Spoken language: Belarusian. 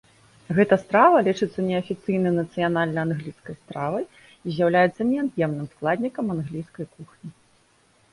Гэта страва лічыцца неафіцыйнай нацыянальнай англійскай стравай і з'яўляецца неад'емным складнікам англійскай кухні.